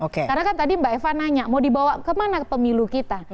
karena kan tadi mbak eva nanya mau dibawa ke mana pemilu kita